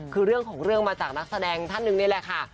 คือเรื่องของเรื่องมาจากนักแสดงท่านหนึ่งนี่แหละค่ะ